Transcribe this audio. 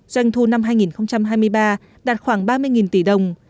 doanh thu năm hai nghìn hai mươi ba đạt khoảng ba mươi tỷ đồng